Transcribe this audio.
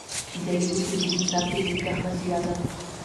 اداري اصول د انصاف د ټینګښت وسیله ده.